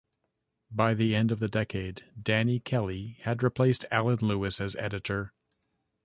By the end of the decade, Danny Kelly had replaced Alan Lewis as editor.